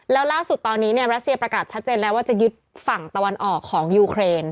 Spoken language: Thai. แล้วล่าสุดตอนนี้เนี่ยรัสเซียประกาศชัดเจนแล้วว่าจะยึดฝั่งตะวันออกของยูเครน